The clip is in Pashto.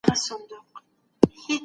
هر تبعه د هیواد په امنیت کي ونډه لري.